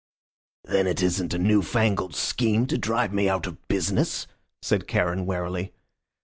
"Then it isn't a new fangled scheme to drive me out of business?" said Charon, warily.